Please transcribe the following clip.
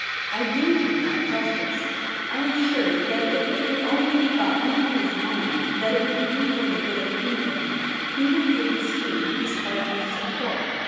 ' I do him that justice. I am sure that if it could only be got into his mind that it would be for the good of England, he would give the scheme his heartiest support.